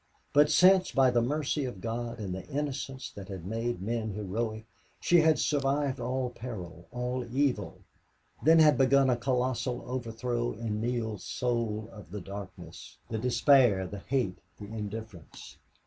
But since, by the mercy of God and the innocence that had made men heroic, she had survived all peril, all evil, then had begun a colossal overthrow in Neale's soul of the darkness, the despair, the hate, the indifference.